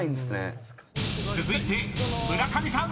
［続いて村上さん］